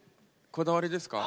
こだわりですか？